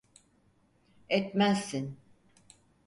Etmezsin.